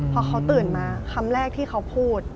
พอเขาตื่นมาคำแรกที่เขาพูด